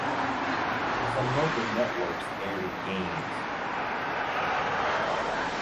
Some local networks aired games.